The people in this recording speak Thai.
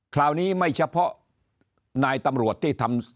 คราวนี้ไม่เฉพาะนายตำรวจที่ทำ